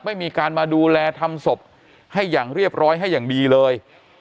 ไม่มีการมาดูแลทำศพให้อย่างเรียบร้อยให้อย่างดีเลย